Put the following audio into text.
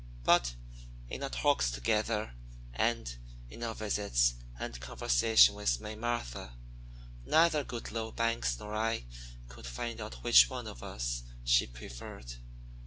But in our talks together, and in our visits and conversation with May Martha, neither Goodloe Banks nor I could find out which one of us she preferred.